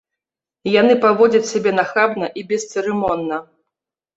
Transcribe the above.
Яны паводзяць сябе нахабна і бесцырымонна.